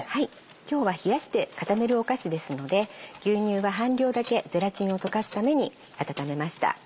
今日は冷やして固めるお菓子ですので牛乳は半量だけゼラチンを溶かすために温めました。